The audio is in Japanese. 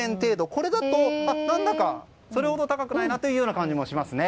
これだと何だか、それほど高くない感じもしますね。